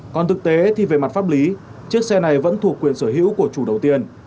còn thực tế thì về mặt pháp lý chiếc xe này vẫn thuộc quyền sở hữu của chủ đầu tiên